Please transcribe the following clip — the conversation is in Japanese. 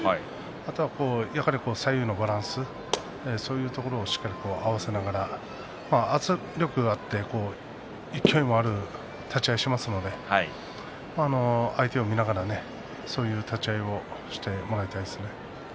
あとは、やはり左右のバランスそういうところをしっかりと合わせながら圧力があって勢いがある立ち合いをしていますので相手を見ながらそういう立ち合いをしてもらいたいですね。